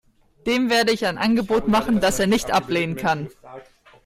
Dem werde ich ein Angebot machen, das er nicht ablehnen kann.